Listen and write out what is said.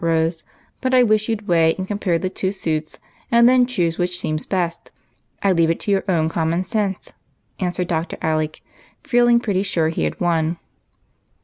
Rose, but I wish you 'd weigh and compare the two suits, and then choose which seems best. I leave it to your own common sense," answered Dr. Alec, feeling pretty sure he had won.